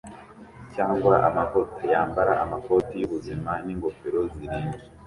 cyangwa amavuta yambara amakoti yubuzima n'ingofero zirinda